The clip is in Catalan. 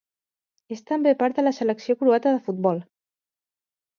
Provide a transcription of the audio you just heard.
És també part de la selecció croata de futbol.